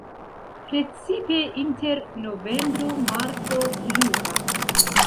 Precipe inter novembro-marto pluvas.